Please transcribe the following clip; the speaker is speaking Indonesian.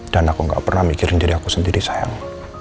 dan aku gak pernah mikirin diri aku sendiri sayang